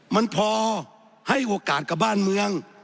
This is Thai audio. มันพอให้โอกาสกับบ้านเมือง